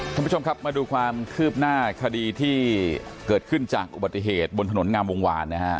ท่านผู้ชมครับมาดูความคืบหน้าคดีที่เกิดขึ้นจากอุบัติเหตุบนถนนงามวงวานนะฮะ